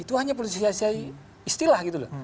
itu hanya politisasi istilah gitu loh